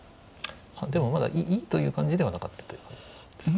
でもまだいいという感じではなかったという感じなんですか。